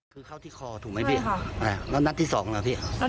คือเข้าที่คอถูกไหมพี่ใช่ค่ะอ่าแล้วนัดที่สองหรอพี่นัด